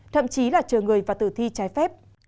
thậm chí là chờ người và tử thi trái phép